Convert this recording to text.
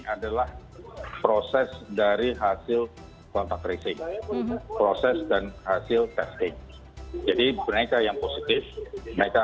adalah proses dari hasil kontak tracing proses dan hasil testing jadi mereka yang positif mereka